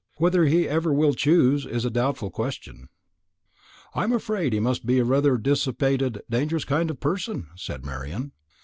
Whether he ever will choose is a doubtful question." "I am afraid he must be rather a dissipated, dangerous kind of person," said Marian.